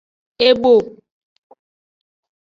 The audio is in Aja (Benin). Ebo.